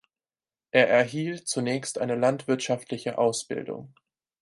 Er erhielt zunächst eine landwirtschaftliche Ausbildung.